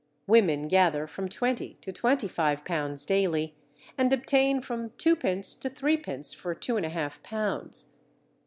Women gather from twenty to twenty five pounds daily, and obtain from twopence to threepence for two and a half pounds.